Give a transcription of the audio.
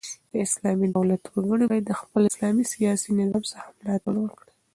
د اسلامي دولت وګړي بايد د خپل اسلامي سیاسي نظام څخه ملاتړ وکړي.